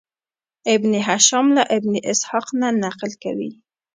ابن هشام له ابن اسحاق نه نقل کوي.